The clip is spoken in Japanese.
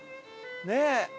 ねえ。